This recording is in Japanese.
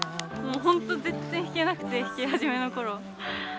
もう本当全然弾けなくて弾き始めの頃。